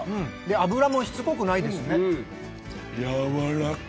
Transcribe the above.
脂もしつこくないですよね。